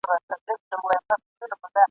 یو څه وخت یې په ځالۍ کي لویومه ..